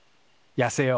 やせよう。